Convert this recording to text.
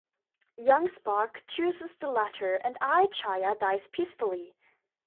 Young Spock chooses the latter, and I Chaya dies peacefully.